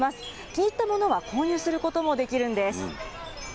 気に入ったものは購入することもできるんです。